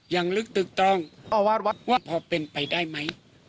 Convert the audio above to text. อย่างลึกตึกต้องว่าพอเป็นไปได้ไหม